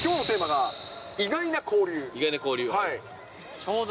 意外な交流？